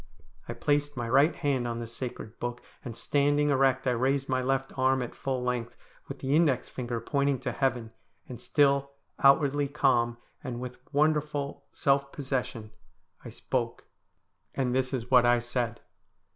I placed my right hand on the sacred book, and standing erect I raised my left arm at full length with the index finger pointing to heaven, and still, outwardly calm, and with wonderful self possession I spoke, and this is what I said.